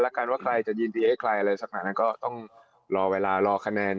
หรือว่าใครจะยินดีให้ใครสักหน่างนั้นก็ต้องรอเวลารอคะแนน